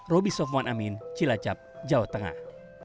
roby sofwan amin cilacap jawa tengah